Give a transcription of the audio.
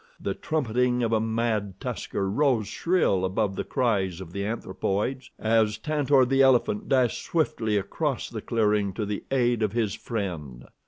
The trumpeting of a mad tusker rose shrill above the cries of the anthropoids, as Tantor, the elephant, dashed swiftly across the clearing to the aid of his friend.